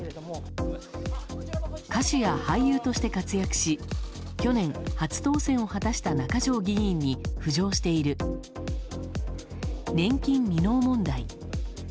歌手や俳優として活躍し去年、初当選を果たした中条議員に浮上している年金未納問題。